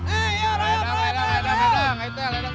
eh ya rayap rayap rayap